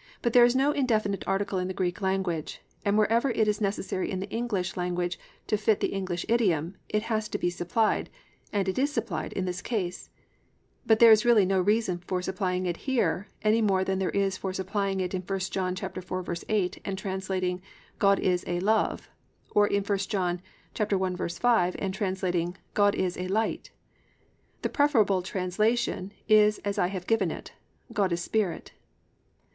"+ But there is no indefinite article in the Greek language, and wherever it is necessary in the English translation to fit the English idiom, it has to be supplied, and it is supplied, in this case. But there is really no reason for supplying it here any more than there is for supplying it in 1 John 4:8 and translating, +"God is a Love,"+ or in 1 John 1:5 and translating +"God is a Light."+ The preferable translation is as I have given it: +"God is Spirit."